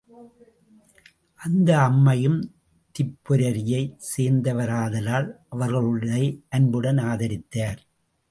அந்த அம்மையும் திப்பெரரியைச் சேர்ந்தவராதலால் அவர்களை அன்புடன் ஆதரித்தார்.